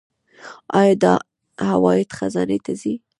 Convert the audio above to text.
آیا دا عواید خزانې ته ځي؟